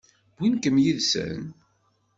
Wwin-kem yid-sen?